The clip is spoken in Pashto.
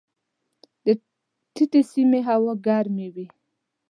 د ټیټې سیمې هوا ګرمې وي.